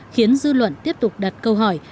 khiến dư luận tiếp tục đặt câu hỏi